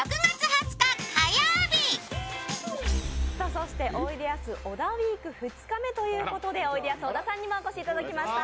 そして「おいでやす小田ウイーク」２日目ということでおいでやす小田さんにもお越しいただきました。